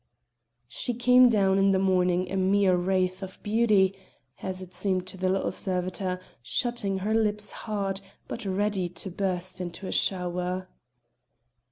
She came down in the morning a mere wraith of beauty, as it seemed to the little servitor, shutting her lips hard, but ready to burst into a shower.